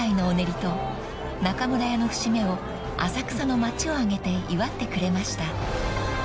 ［と中村屋の節目を浅草の街を挙げて祝ってくれました］